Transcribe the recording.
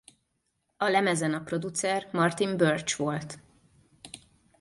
A lemezen a producer Martin Birch volt.